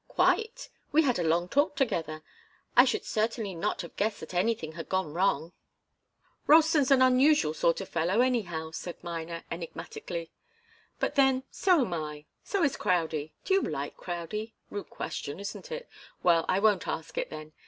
"Quite. We had a long talk together. I should certainly not have guessed that anything had gone wrong." "Ralston's an unusual sort of fellow, anyhow," said Miner, enigmatically. "But then so am I, so is Crowdie do you like Crowdie? Rude question, isn't it? Well, I won't ask it, then.